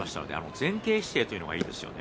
前傾姿勢というのがいいですね。